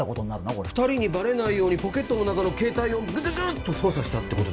これ２人にバレないようにポケットの中の携帯をグググッと操作したってこと？